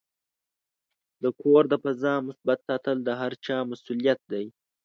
د کور د فضا مثبت ساتل د هر چا مسؤلیت دی.